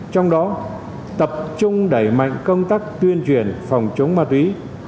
trong đó tập trung đẩy mạnh công tác tuyên truyền phòng chống ma túy